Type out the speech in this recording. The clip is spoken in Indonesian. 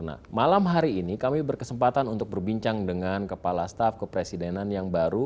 nah malam hari ini kami berkesempatan untuk berbincang dengan kepala staf kepresidenan yang baru